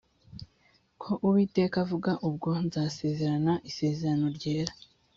ko uwiteka avuga ubwo nzasezerana isezerano ryera